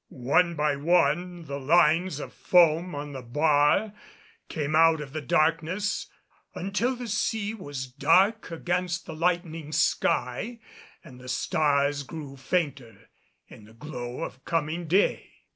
One by one the lines of foam on the bar came out of the darkness until the sea was dark against the lightening sky and the stars grew fainter in the glow of coming day.